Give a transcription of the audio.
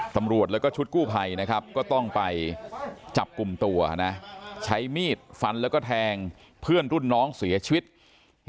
ทางตำรวจ